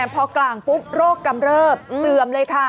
พอกลางปุ๊บโรคกำเริบเสื่อมเลยค่ะ